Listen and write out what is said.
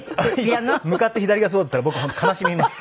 向かって左がそうだったら僕悲しみます。